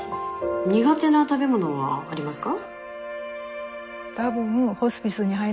苦手な食べ物はありますか？